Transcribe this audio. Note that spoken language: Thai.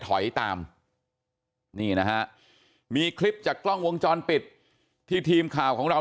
ถอยตามนี่นะฮะมีคลิปจากกล้องวงจรปิดที่ทีมข่าวของเรา